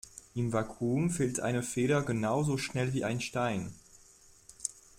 Im Vakuum fällt eine Feder genauso schnell wie ein Stein.